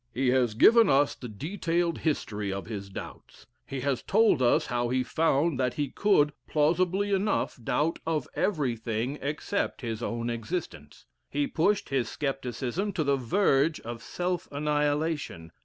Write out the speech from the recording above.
"He has given us the detailed history of his doubts. He has told us how he found that he could, plausibly enough, doubt of everything except his own existence. He pushed his scepticism to the verge of self annihilation.